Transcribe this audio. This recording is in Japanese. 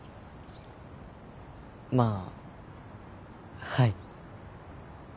まあはい。